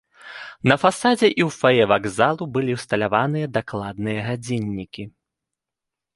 На фасадзе і ў фае вакзалу былі ўсталяваныя дакладныя гадзіннікі.